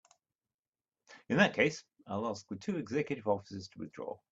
In that case I'll ask the two executive officers to withdraw.